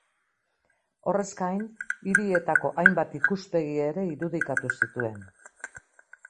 Horrez gain, hirietako hainbat ikuspegi ere irudikatu zituen.